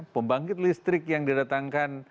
pembangkit listrik yang didatangkan